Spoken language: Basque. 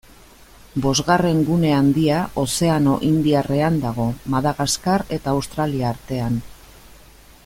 Bosgarren gune handia Ozeano Indiarrean dago, Madagaskar eta Australia artean.